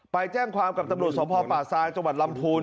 ไปแจ้งความกับตำรวจสมภาพป่าซายจังหวัดลำพูน